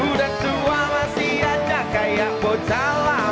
udah tua masih aja kayak bocah lah